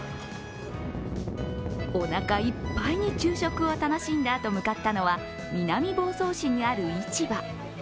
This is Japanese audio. おなかいっぱいに昼食を楽しんだあと、向かったのは南房総市にある市場。